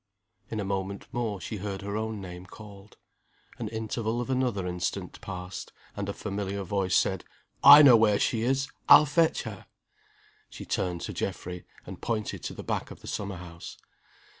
In a moment more she heard her own name called. An interval of another instant passed, and a familiar voice said, "I know where she is. I'll fetch her." She turned to Geoffrey, and pointed to the back of the summer house.